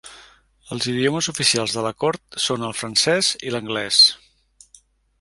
Els idiomes oficials de la Cort són el francès i l'anglès.